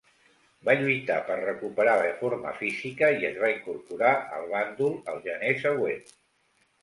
Va lluitar per recuperar la forma física i es va incorporar al bàndol el gener següent.